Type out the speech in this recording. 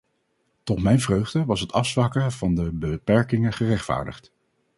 Tot mijn vreugde was het afzwakken van de beperkingen gerechtvaardigd.